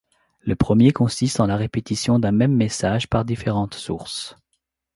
Le premier consiste en la répétition d'un même message par différentes sources.